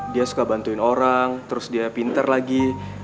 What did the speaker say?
dia suka bantuin orang terus dia pinter lagi